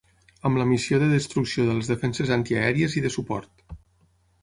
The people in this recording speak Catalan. Amb la missió de destrucció de les defenses antiaèries i de suport.